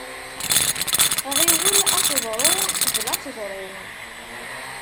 Ɣiwel aseḍru, qebl ad teḍru.